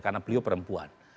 karena beliau perempuan